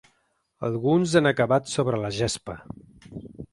Alguns han acabat sobre la gespa.